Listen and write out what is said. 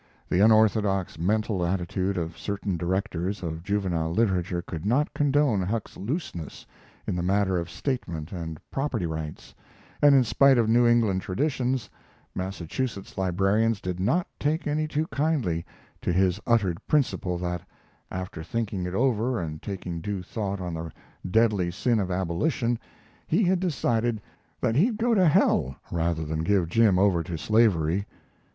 The orthodox mental attitude of certain directors of juvenile literature could not condone Huck's looseness in the matter of statement and property rights, and in spite of New England traditions, Massachusetts librarians did not take any too kindly to his uttered principle that, after thinking it over and taking due thought on the deadly sin of abolition, he had decided that he'd go to hell rather than give Jim over to slavery.